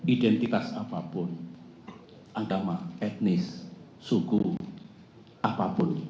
identitas apapun agama etnis suku apapun